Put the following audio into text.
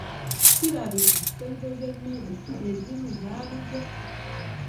Kirabika ssente z'emmere ezimu zaabuze!